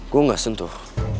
gue gak sentuh